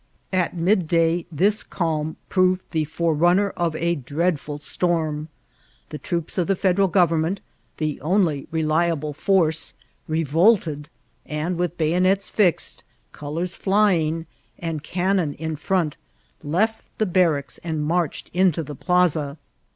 At midday this calm proved the forerunner of a dreadful storm. The troops of the Federal govern* ment, the only reliable force, revolted, and with bayo* nets fixed) colours flying, and cannon in front, left the barracks and marched into the plasa.